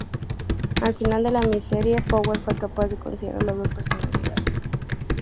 Al final de la miniserie, Powell fue capaz de conciliar las dos personalidades.